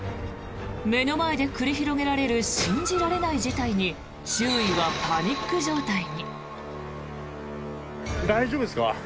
目の前で繰り広げられる信じられない事態に周囲はパニック状態に。